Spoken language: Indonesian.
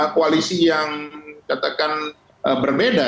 koalisi yang katakan berbeda